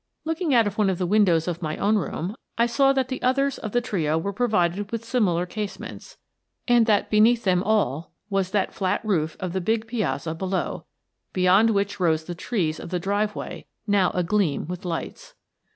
Looking out of one of the win dows of my own room, I saw that the others of the trio were provided with similar casements, and that beneath them all was the flat roof of the big piazza below, beyond which rose the trees of the driveway now a gleam with lights.